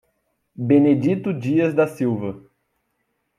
Benedito Dias da Silva